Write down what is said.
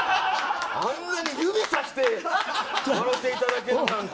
あんなに指さして笑っていただいてるなんて。